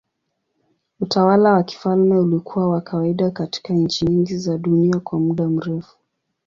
Utawala wa kifalme ulikuwa wa kawaida katika nchi nyingi za dunia kwa muda mrefu.